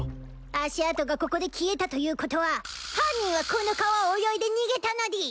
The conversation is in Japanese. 足跡がここで消えたということは犯人はこの川を泳いで逃げたのでぃす！